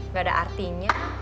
gak ada artinya